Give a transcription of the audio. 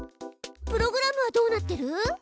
プログラムはどうなってる？